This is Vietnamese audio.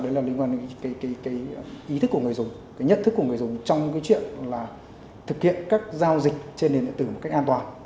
đấy là liên quan đến cái ý thức của người dùng cái nhận thức của người dùng trong cái chuyện là thực hiện các giao dịch trên điện tử một cách an toàn